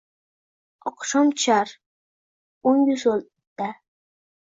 Oqshom tushar… o’ngu so’lda